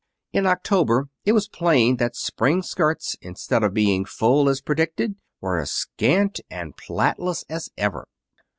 In October it was plain that spring skirts, instead of being full as predicted, were as scant and plaitless as ever.